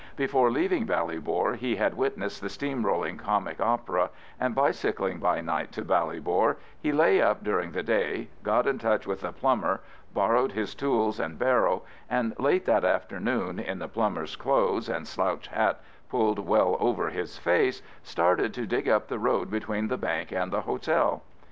Before leaving Ballybor he had witnessed the steam rolling comic opera, and bicycling by night to Ballybor, he lay up during the day, got in touch with a plumber, borrowed his tools and barrow, and late that afternoon (in the plumber's clothes, and slouch hat pulled well over his face) started to dig up the road between the bank and the hotel.